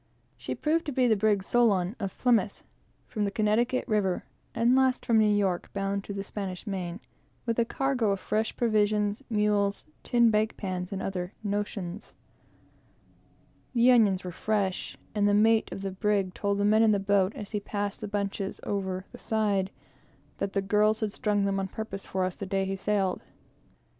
She proved to be the brig Solon, of Plymouth, from the Connecticut river, and last from New York, bound to the Spanish Main, with a cargo of fresh provisions, mules, tin bake pans, and other notions. The onions were genuine and fresh; and the mate of the brig told the men in the boat, as he passed the bunches over the side, that the girls had strung them on purpose for us the day he sailed.